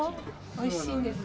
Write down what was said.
おいしいんですよ。